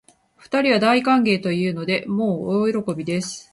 二人は大歓迎というので、もう大喜びです